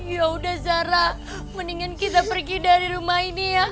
yaudah zara mendingan kita pergi dari rumah ini ya